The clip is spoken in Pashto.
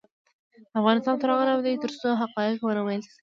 افغانستان تر هغو نه ابادیږي، ترڅو حقایق ونه ویل شي.